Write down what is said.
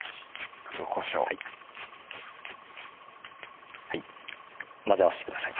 黒こしょう混ぜ合わせてください